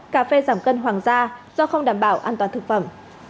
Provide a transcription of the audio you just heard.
cà phê giảm cân hoàng gia do không đảm bảo an toàn thực phẩm